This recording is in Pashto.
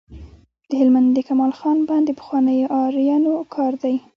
د هلمند د کمال خان بند د پخوانیو آرینو کار دی